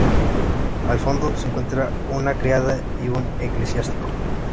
Al fondo se encuentran una criada y un eclesiástico.